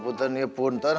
buntan nih buntan